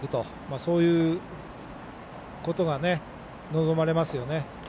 そういうことが望まれますよね。